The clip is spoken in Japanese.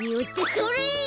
それ。